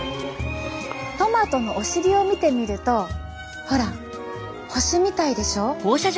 トマトのお尻を見てみるとほら星みたいでしょ？